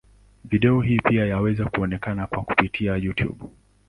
Video hii pia yaweza kuonekana kwa kupitia Youtube.